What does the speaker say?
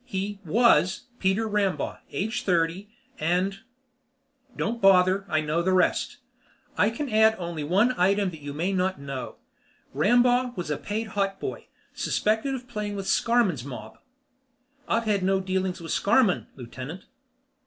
He was Peter Rambaugh, age thirty, and " "Don't bother. I know the rest. I can add only one item that you may not know. Rampaugh was a paid hotboy, suspected of playing with Scarmann's mob." "I've had no dealings with Scarmann, Lieutenant."